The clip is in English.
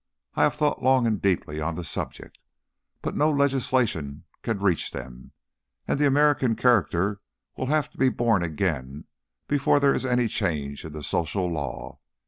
I have thought long and deeply on the subject. But no legislation can reach them, and the American character will have to be born again before there is any change in the social law.